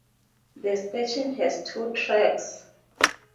The station has two tracks.